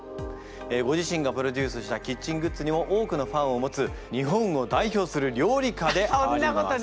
ご自身がプロデュースしたキッチングッズにも多くのファンを持つ日本を代表する料理家であります。